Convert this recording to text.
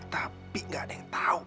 tapi gak ada yang tahu